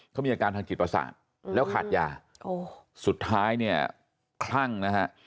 เขามีอาการทางจิตประสาทแล้วขาดยาสุดท้ายเนี่ยคลั่งนะฮะ